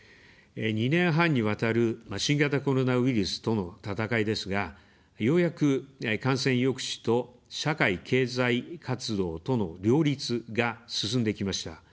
２年半にわたる新型コロナウイルスとの闘いですが、ようやく感染抑止と、社会・経済活動との両立が進んできました。